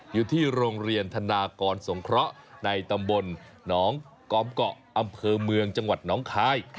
อยู่ที่โรงเรียนธนากรสงเคราะห์ในตำบลหนองกอมเกาะอำเภอเมืองจังหวัดน้องคาย